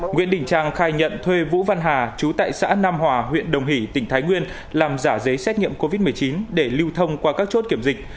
nguyễn đình trang khai nhận thuê vũ văn hà chú tại xã nam hòa huyện đồng hỷ tỉnh thái nguyên làm giả giấy xét nghiệm covid một mươi chín để lưu thông qua các chốt kiểm dịch